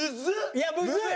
いやむずい！